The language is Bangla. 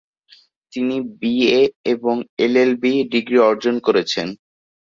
তিনি বিএ এবং এলএলবি ডিগ্রি অর্জন করেছেন।